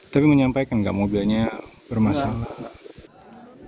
tapi menyampaikan nggak mau belanya bermasalah